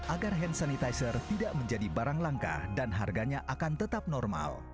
agar hand sanitizer tidak menjadi barang langka dan harganya akan tetap normal